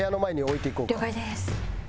了解です。